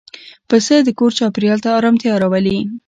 پسه د کور چاپېریال ته آرامتیا راولي.